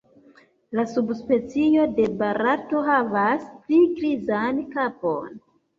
La subspecio de Barato havas pli grizan kapon.